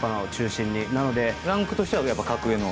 ランクとしては格上の。